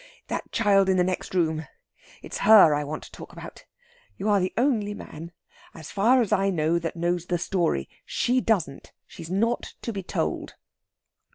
That child in the next room it's her I want to talk about. You're the only man, as far as I know, that knows the story. She doesn't. She's not to be told."